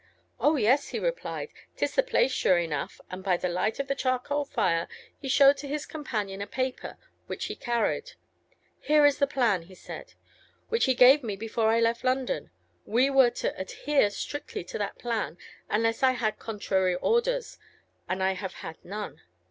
'Oh, yes,' he replied, ''tis the place sure enough,' and by the light of the charcoal fire he showed to his companion a paper, which he carried. 'Here is the plan,' he said, 'which he gave me before I left London. We were to adhere strictly to that plan, unless I had contrary orders, and I have had none.